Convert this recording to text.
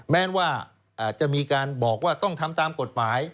แม้ว่าจะมีการบอกว่าต้องทำตามกฎหมาย